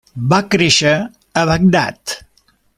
Va créixer a Bagdad.